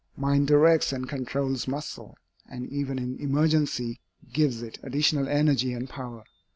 Mind directs and controls muscle, and even in emergency gives it additional energy and power.